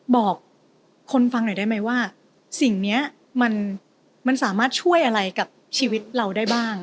บอกคนฟังหน่อยได้ไหมว่าสิ่งนี้มันสามารถช่วยอะไรกับชีวิตเราได้บ้าง